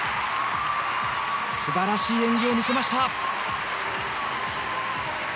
素晴らしい演技を見せました。